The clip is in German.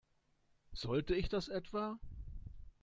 Sollte ich das etwa?